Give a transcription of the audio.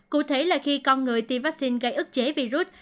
cụ thể là khi con người tiêm vaccine gây ức chế virus